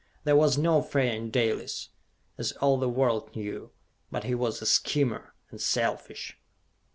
There was no fear in Dalis, as all the world knew. But he was a schemer, and selfish.